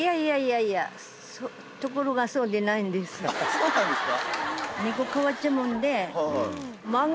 そうなんですか。